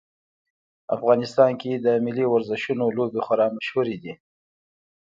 افغانستان کې د ملي ورزشونو لوبې خورا مشهورې دي